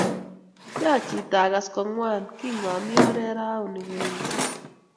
Kyachit agas kongwan kingami oret rauni ngoeche